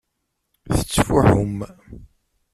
Tettfuḥum.